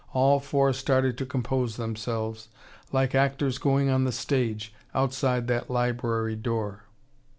All four started to compose themselves, like actors going on the stage, outside that library door.